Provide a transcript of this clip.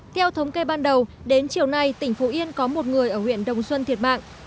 theo thống kê ban đầu đến chiều nay tỉnh phú yên có một người ở huyện đồng xuân thiệt mạng